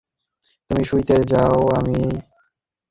কর্মফল-নির্বাণলাভ জাতীয় ব্যাপার স্যাপার।